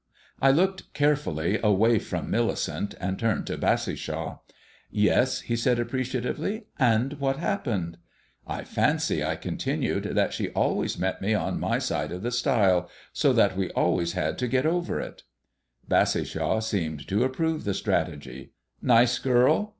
I looked carefully away from Millicent, and turned to Bassishaw. "Yes?" he said appreciatively. "And what happened?" "I fancy," I continued, "that she always met me on my side of the stile, so that we always had to get over it." Bassishaw seemed to approve the strategy. "Nice girl?"